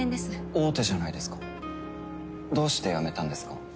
大手じゃないですかどうして辞めたんですか？